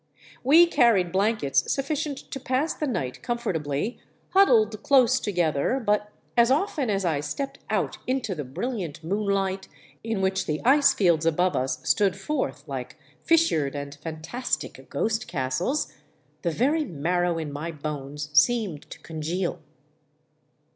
We carried blankets sufficient to pass the night com fortably, huddled close together, but as often as I stepped out into the Ijrilliant moonlight in which the ice fields above us stood forth like fis sured and fantastic ghost castles, the very marrow in my bones seemed to congeal.